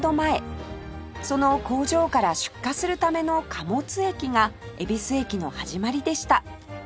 その工場から出荷するための貨物駅が恵比寿駅の始まりでした